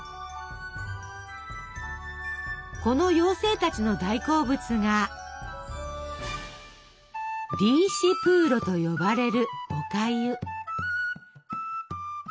この妖精たちの大好物が「リーシプーロ」と呼ばれるおかゆ。